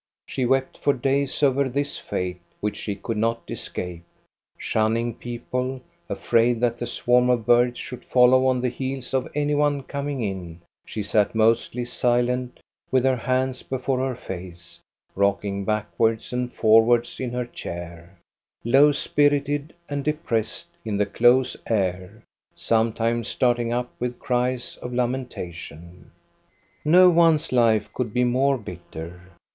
She wept for days over this fate, which she could not escape. Shunning people, afraid that the swarm of birds should follow on the heels of any one THE WITCH OF DOVRE 303 coming in, she sat mostly silent with her hands before her face, rocking backwards and forwards in her chair, low spirited and depressed in the close air, sometimes starting up with cries of lamentation. No one's life could be more bitter.